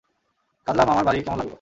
কাজলা মামার বাড়ি কেমন লাগলো?